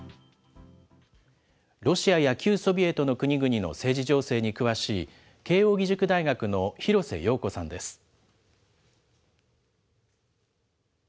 ロシアや旧ソビエトの国々の政治情勢に詳しい、慶應義塾大学の廣瀬陽子さんです。